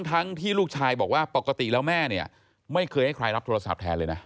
ทั้งที่ลูกชายบอกว่าปกติแล้วแม่เนี่ยไม่เคยให้ใครรับโทรศัพท์แทนเลยนะ